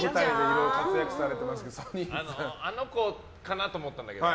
あの子かなと思ったんだけど。